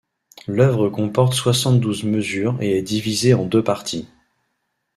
L'œuvre comporte soixante-douze mesures et est divisée en deux parties.